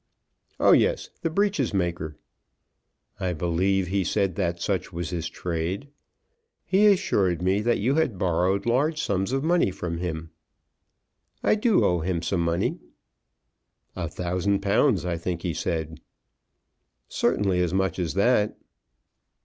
"Oh, yes; the breeches maker." "I believe he said that such was his trade. He assured me that you had borrowed large sums of money from him." "I do owe him some money." "A thousand pounds, I think he said." "Certainly as much as that."